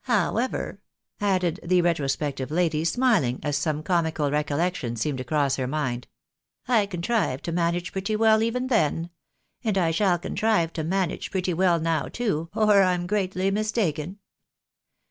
However," added the retrospective lady, smihng, as some comical recollection seemed to cross her mind, " I contrived to manage pretty well even then, and I shall contrive to manage pretty well now, too, or I'm greatly mistaken.